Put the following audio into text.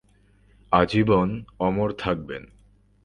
আজীবন অমর থাকবেন।